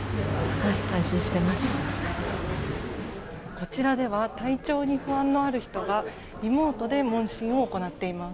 こちらでは体調に不安のある人がリモートで問診を行っています。